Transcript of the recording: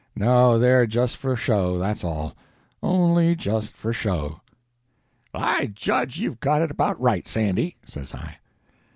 No, they're just for show, that's all—only just for show." "I judge you've got it about right, Sandy," says I.